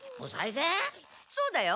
そうだよ。